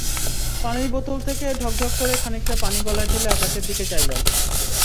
পানির বোতল থেকে ঢকঢক করে খানিকটা পানি গলায় ঢেলে আকাশের দিকে চাইলেন।